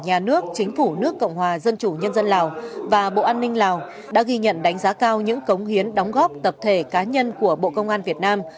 nhà nước chính phủ nước cộng hòa dân chủ nhân dân lào và bộ an ninh lào đã ghi nhận đánh giá cao những cống hiến đóng góp tập thể cá nhân của bộ công an việt nam